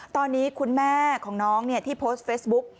ตอนนี้คุณแม่ของน้องที่โพสต์เฟซบุ๊ก